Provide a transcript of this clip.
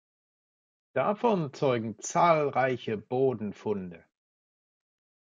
Davon zeugen zahlreiche Bodenfunde.